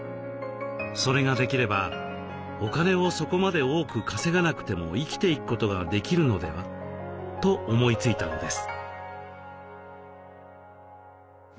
それができればお金をそこまで多く稼がなくても生きていくことができるのでは？と思いついたのです。